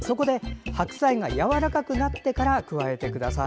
白菜がやわらかくなってから加えてください。